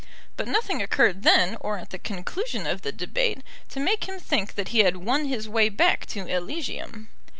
But nothing occurred then or at the conclusion of the debate to make him think that he had won his way back to Elysium.